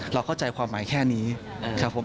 เราเข้าใจความหมายแค่นี้ครับผม